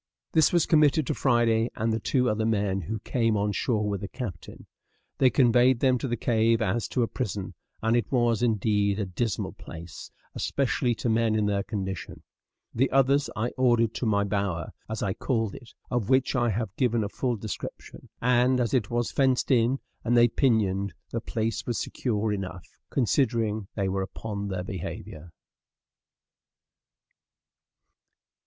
This was committed to Friday and the two other men who came on shore with the captain. They conveyed them to the cave as to a prison: and it was, indeed, a dismal place, especially to men in their condition. The others I ordered to my bower, as I called it, of which I have given a full description; and as it was fenced in, and they pinioned, the place was secure enough, considering they were upon their behavior.